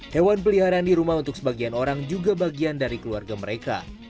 hewan peliharaan di rumah untuk sebagian orang juga bagian dari keluarga mereka